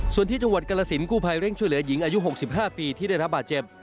ส่วนที่จังหวัดกรสินกู้ภัยเร่งช่วยเหลือหญิงอายุ๖๕ปีที่ได้รับบาดเจ็บ